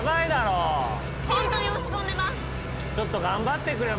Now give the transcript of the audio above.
ちょっと頑張ってくれ。